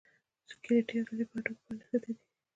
سکلیټي عضلې په هډوکو پورې نښتي دي.